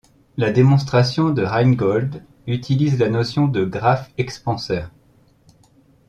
La démonstration de Reingold utilise la notion de graphes expanseurs.